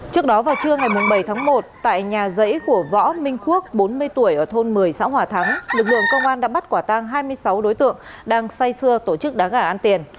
trước đó vào trưa ngày bảy tháng một tại nhà dãy của võ minh quốc bốn mươi tuổi ở thôn một mươi xã hòa thắng lực lượng công an đã bắt quả tang hai mươi sáu đối tượng đang say xưa tổ chức đá gà ăn tiền